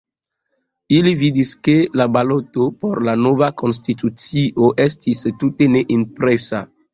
Ili vidis, ke la baloto por la nova konstitucio estis tute ne impresa.